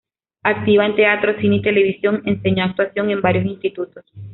Activa en teatro, cine y televisión, enseñó actuación en varios institutos.